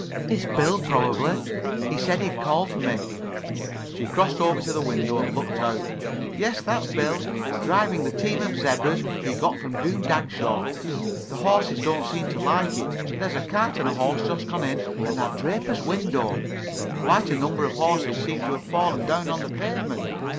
"It's Bill, probably. He said he'd call for me." She crossed over to the window and looked out. "Yes, that's Bill. Driving the team of zebras he got from Doom Dagshaw. The horses don't seem to like it. There's a cart and horse just gone in at that draper's window. Quite a number of horses seem to have fallen down on the pavement.